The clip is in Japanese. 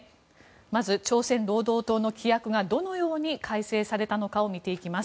まず、朝鮮労働党の規約がどのように改正されたのか見ていきます。